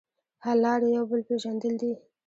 حل لاره یو بل پېژندل دي.